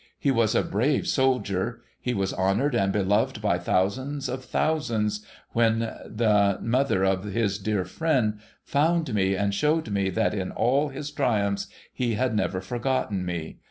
He was a brave soldier. He was honoured and beloved by thousands of thousands, when the mother of his dear friend found me, and showed me that in all his triumphs he had never forgotten me.